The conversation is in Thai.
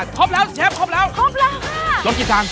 ครบแล้วเชฟครบแล้วครบแล้วค่ะครบกี่ทาง